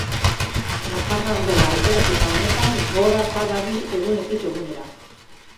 Nafar ardoa aukeraketa honetan goraka dabil egunetik egunera.